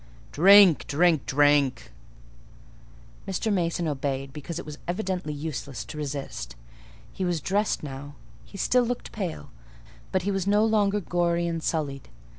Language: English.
"Drink! drink! drink!" Mr. Mason obeyed, because it was evidently useless to resist. He was dressed now: he still looked pale, but he was no longer gory and sullied. Mr.